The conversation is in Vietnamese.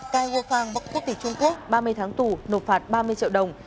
cai guo fang quốc tịch trung quốc ba mươi tháng tù nộp phạt ba mươi triệu đồng